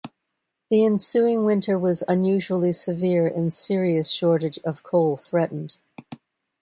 The ensuing winter was unusually severe, and serious shortage of coal threatened.